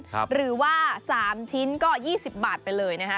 หรือว่า๓ชิ้นก็๒๐บาทไปเลยนะฮะ